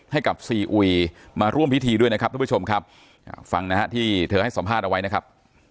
ให้กับซีอุยมาร่วมพิธีด้วยนะครับทุกผู้ชมครับฟังนะฮะที่เธอให้สัมภาษณ์เอาไว้นะครับ